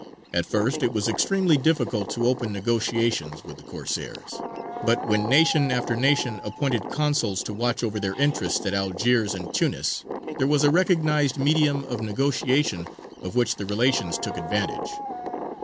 At first it was extremely difficult to open negotiations with the Corsairs; but when nation after nation appointed consuls to watch over their interests at Algiers and Tunis, there was a recognized medium of negotiation of which the relations took advantage.